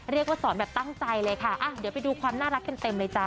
เรียกว่าสอนแบบตั้งใจเลยค่ะเดี๋ยวไปดูความน่ารักกันเต็มเลยจ้